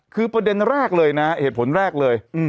คือประเด็นแรกเลยนะเหตุผลแรกเลย